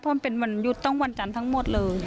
เพราะมันเป็นวันหยุดต้องวันจันทร์ทั้งหมดเลย